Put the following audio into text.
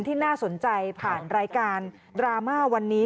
ที่น่าสนใจผ่านรายการดราม่าวันนี้